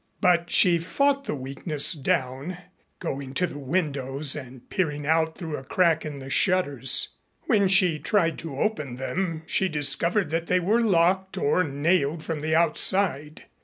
But she fought the weakness down, going to the windows and peering out through a crack in the shutters. When she tried to open them, she discovered that they were locked or nailed from the outside.